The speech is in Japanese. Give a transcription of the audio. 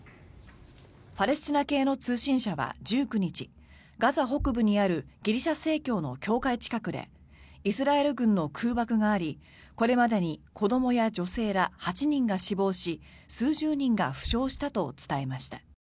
パレスチナ系の通信社は１９日ガザ北部にあるギリシャ正教の教会近くでイスラエル軍の空爆がありこれまでに子どもや女性ら８人が死亡し数十人が負傷したと伝えました。